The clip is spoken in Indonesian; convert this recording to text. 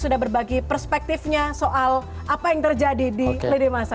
kita akan berbagi perspektifnya soal apa yang terjadi di lede masa